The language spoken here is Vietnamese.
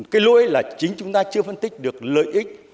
cái lỗi là chính chúng ta chưa phân tích được lợi ích